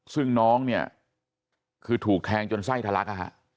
ซึ่งน้องคือถูกแทงจนไทรทลักษณ์